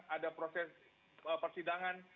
ada proses persidangan